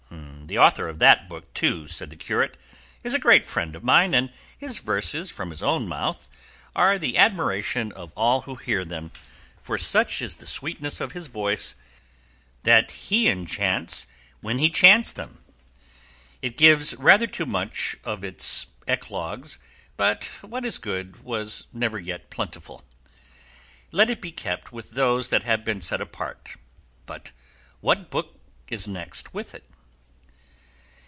"The author of that book, too," said the curate, "is a great friend of mine, and his verses from his own mouth are the admiration of all who hear them, for such is the sweetness of his voice that he enchants when he chants them: it gives rather too much of its eclogues, but what is good was never yet plentiful: let it be kept with those that have been set apart. But what book is that next it?"